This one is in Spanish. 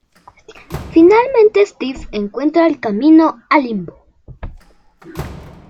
Finalmente, Stephen encuentra el camino al Limbo.